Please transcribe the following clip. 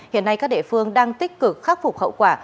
hiện nay các địa phương đang tích cực khắc phục hậu quả